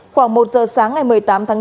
khoảng một giờ sáng ngày một mươi tám tháng chín